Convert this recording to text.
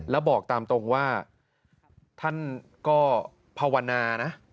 แล้วบอกตามตรงว่าท่านก็ภาวนานะ